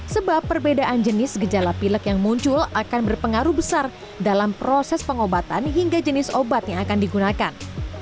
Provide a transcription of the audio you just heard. sebab perbedaan jenis gejala pilek yang muncul akan berpengaruh besar dalam proses pengobatan hingga jenis obat yang akan digunakan